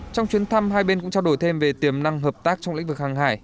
trong chuyến thăm hai bên cũng trao đổi thêm về tiềm năng hợp tác trong lĩnh vực hàng hải